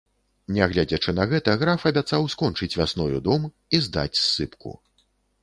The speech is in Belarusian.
Нягледзячы на гэта, граф абяцаў скончыць вясною дом і здаць ссыпку.